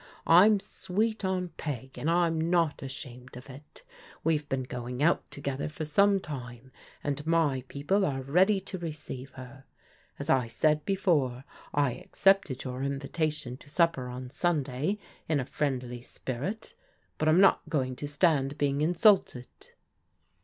I'm sweet on Peg, and I'm not ashamed of it. We've been going out together for some time, and my people are ready to re ceive her. As I said before, I accepted your invitation to supper on Sunday in a friendly spirit, but I'm not go ing to stand being insulted."